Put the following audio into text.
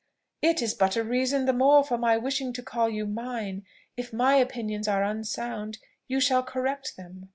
"It is but a reason the more for my wishing to call you mine! If my opinions are unsound, you shall correct them."